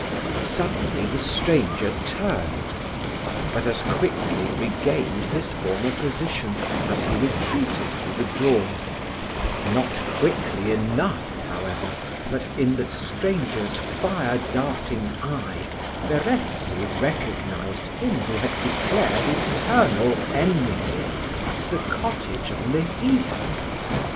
Suddenly the stranger turned, but as quickly regained his former position, as he retreated through the door; not quickly enough, however, but, in the stranger's fire darting eye, Verezzi recognised him who had declared eternal enmity at the cottage on the heath.